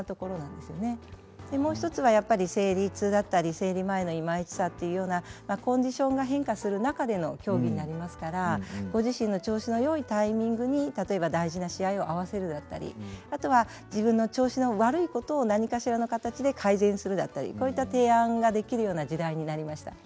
でもう一つはやっぱり生理痛だったり生理前のイマイチさというようなコンディションが変化する中での競技になりますからご自身の調子のよいタイミングに例えば大事な試合を合わせるだったりあとは自分の調子の悪いことを何かしらの形で改善するだったりこういった提案ができるような時代になりました。